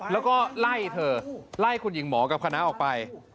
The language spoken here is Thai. แล้วก็ไล่เธอไล่คุณหญิงหมอกับคณะออกไป